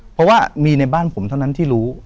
เพราะว่ามีในบ้านผมเท่านั้นที่รู้